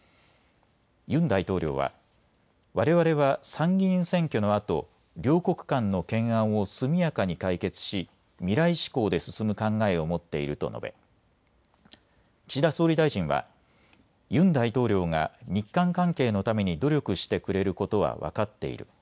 ユン大統領はわれわれは参議院選挙のあと両国間の懸案を速やかに解決し未来志向で進む考えを持っていると述べ岸田総理大臣は、ユン大統領が日韓関係のために努力してくれることは分かっている。